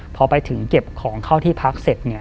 พอไปถึงเก็บของเข้าที่พักเสร็จ